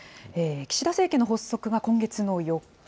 岸田政権発足が今月の４日。